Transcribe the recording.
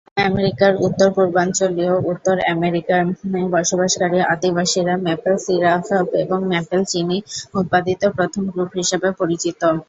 আমেরিকার উত্তর-পূর্বাঞ্চলীয় উত্তর আমেরিকায় বসবাসকারী আদিবাসীরা ম্যাপেল সিরাপ এবং ম্যাপেল চিনি উৎপাদিত প্রথম গ্রুপ হিসেবে পরিচিত।